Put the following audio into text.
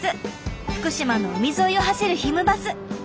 福島の海沿いを走るひむバス。